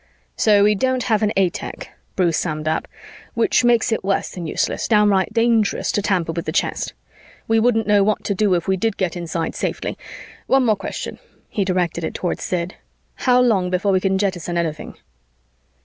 "So we don't have an A tech," Bruce summed up, "which makes it worse than useless, downright dangerous, to tamper with the chest. We wouldn't know what to do if we did get inside safely. One more question." He directed it toward Sid. "How long before we can jettison anything?"